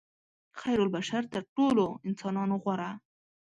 خیرالبشر تر ټولو انسانانو غوره.